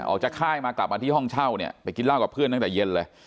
ค่ายมากลับมาที่ห้องเช่าเนี่ยไปกินเหล้ากับเพื่อนตั้งแต่เย็นเลย